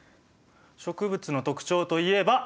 植物の特徴といえば。